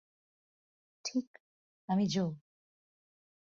ঠিক, আমি জো।